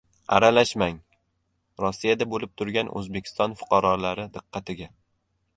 "Aralashmang": Rossiyada bo‘lib turgan O‘zbekiston fuqarolari diqqatiga!